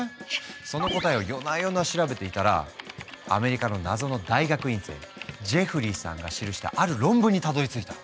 その答えを夜な夜な調べていたらアメリカの謎の大学院生ジェフリーさんが記したある論文にたどりついた。